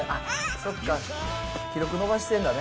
そっか、記録伸ばしてるんだね。